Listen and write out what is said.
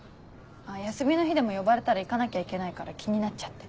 休みの日でも呼ばれたら行かなきゃいけないから気になっちゃって。